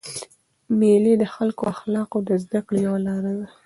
مېلې د ښو اخلاقو د زدهکړي یوه لاره ده.